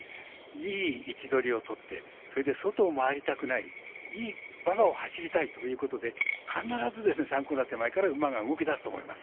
いい位置取りをとってそれで外を回りたくないいい馬場を走りたいということで必ず３コーナー手前から馬が動きだすと思います。